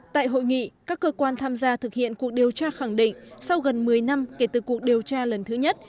tại hội nghị các cơ quan tham gia thực hiện cuộc điều tra khẳng định sau gần một mươi năm kể từ cuộc điều tra lần thứ nhất